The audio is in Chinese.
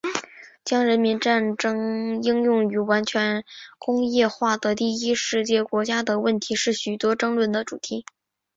将人民战争应用于完全工业化的第一世界国家的问题是许多争论的主题。